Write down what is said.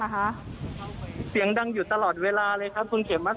แต่เราก็ได้ยินเสียงปั้งตลอดเวลาเลยคุณอภิวัติมันคืออะไรบ้าง